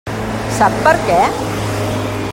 Sap per què?